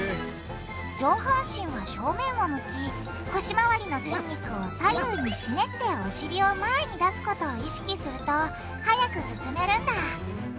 上半身は正面を向き腰回りの筋肉を左右にひねってお尻を前に出すことを意識すると速く進めるんだ。